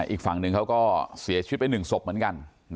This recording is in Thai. อีกฝั่งหนึ่งเขาก็เสียชีวิตไป๑ศพเหมือนกัน